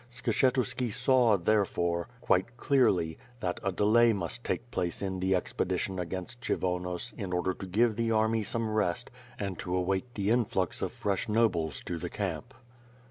Skshetuski saw, therefore, quite clearly, that a delay must take place in the expedition against Kshyvonos in order to give th(. army some rest and to await the influx of fresh nobles to the camp.